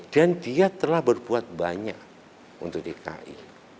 dan dia telah berbuat banyak untuk dki